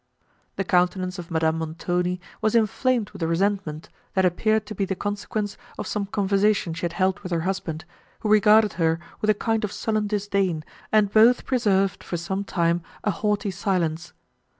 The countenance of Madame Montoni was inflamed with resentment, that appeared to be the consequence of some conversation she had held with her husband, who regarded her with a kind of sullen disdain, and both preserved, for some time, a haughty silence.